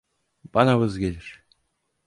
Bana vız gelir…